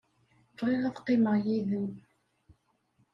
Bɣiɣ ad qqimeɣ yid-m.